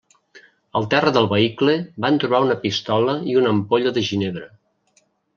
Al terra del vehicle van trobar una pistola i una ampolla de ginebra.